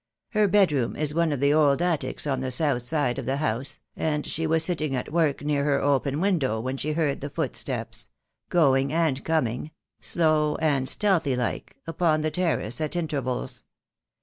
Her bedroom is one of the old attics on the south side of the house, and she was sitting at work near her open ■window when she heard the footsteps — going and coming — slow and stealthy like — upon the terrace at intervals.